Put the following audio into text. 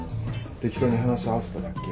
適当に話合わせただけ。